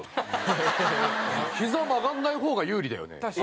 ヒザは曲がらない方が有利だよね。